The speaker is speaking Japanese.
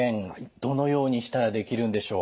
どのようにしたらできるんでしょう？